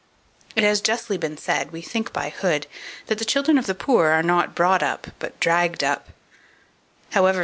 2447. It has justly been said we think by Hood that the children of the poor are not brought up, but dragged up.